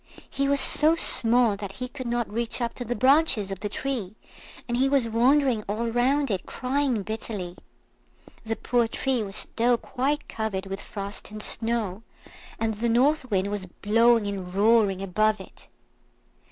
He was so small that he could not reach up to the branches of the tree, and he was wandering all round it, crying bitterly. The poor tree was still quite covered with frost and snow, and the North Wind was blowing and roaring above it.